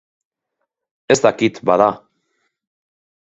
Ez dakit, bada.